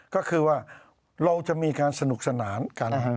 ก็คือว่าเราจะมีการสนุกสนานกัน